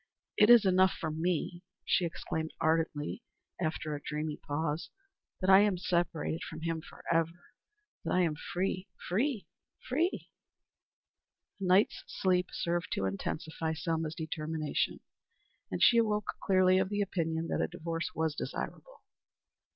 It is enough for me," she exclaimed, ardently, after a dreamy pause, "that I am separated from him forever that I am free free free." A night's sleep served to intensify Selma's determination, and she awoke clearly of the opinion that a divorce was desirable.